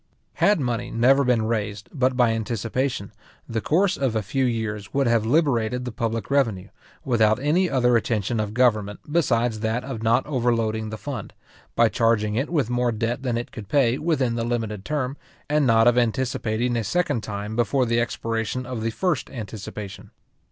Had money never been raised but by anticipation, the course of a few years would have liberated the public revenue, without any other attention of government besides that of not overloading the fund, by charging it with more debt than it could pay within the limited term, and not of anticipating a second time before the expiration of the first anticipation.